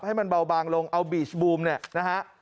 ให้มันเบาบางลงเอาบีชบูมเนี่ยนะฮะ